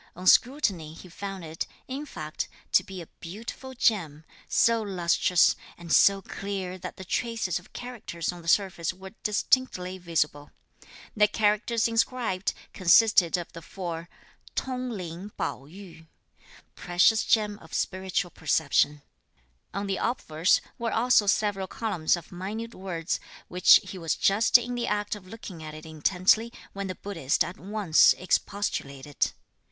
On scrutiny he found it, in fact, to be a beautiful gem, so lustrous and so clear that the traces of characters on the surface were distinctly visible. The characters inscribed consisted of the four "T'ung Ling Pao Yü," "Precious Gem of Spiritual Perception." On the obverse, were also several columns of minute words, which he was just in the act of looking at intently, when the Buddhist at once expostulated.